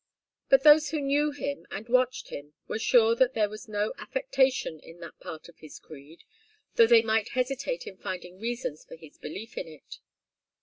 But those who knew him and watched him were sure that there was no affectation in that part of his creed, though they might hesitate in finding reasons for his belief in it.